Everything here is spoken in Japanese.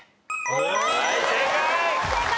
はい正解！